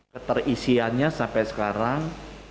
keterisiannya sampai sekarang dua puluh